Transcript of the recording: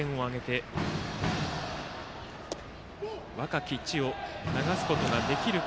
得点を挙げて「若き血」を流すことができるか。